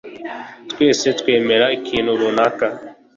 Twese twemera ikintu runaka